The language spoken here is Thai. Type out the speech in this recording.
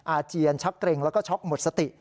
อาเจียนชักเกร็งแล้วก็ช็อกหมดสติ